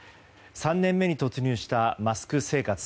３年目に突入したマスク生活。